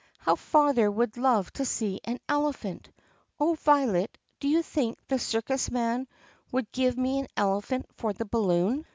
"How father would love to see an elephant! Oh, Violet, do you think the circus man would give me an elephant for the balloon?"